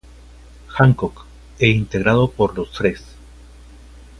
Hancock e integrado por los Sres.